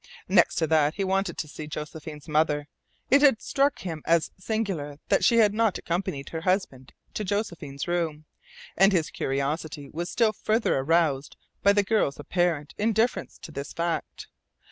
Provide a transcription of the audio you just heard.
Next to that he wanted to see Josephine's mother. It had struck him as singular that she had not accompanied her husband to Josephine's room, and his curiosity was still further aroused by the girl's apparent indifference to this fact.